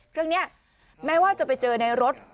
เครื่องนี้แม้ว่าจะไปเจอในรถ